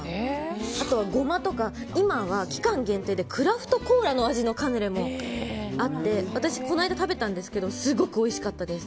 あとはゴマとか、期間限定でクラフトコーラ味のカヌレもあってこないだ食べたんですがすごくおいしかったです。